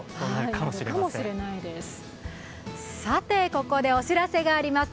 ここでお知らせがあります。